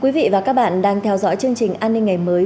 quý vị và các bạn đang theo dõi chương trình an ninh ngày mới